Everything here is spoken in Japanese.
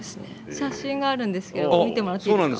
写真があるんですけど見てもらっていいですか？